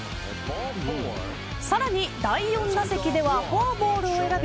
さらに第４打席ではフォアボールを選び